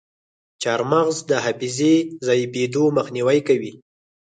چارمغز د حافظې ضعیفیدو مخنیوی کوي.